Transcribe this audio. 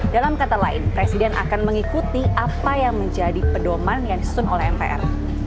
dalam kata lain presiden akan mengikuti apa yang menjadi pedoman yang disun oleh mpr